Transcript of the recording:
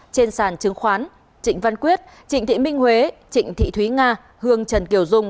trên sàn chứng khoán trịnh văn quyết trịnh thị minh huế trịnh thị thúy nga hương trần kiều dung